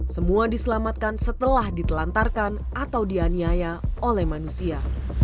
semua diselamatkan setelah ditelantarkan atau dianiaya oleh manusia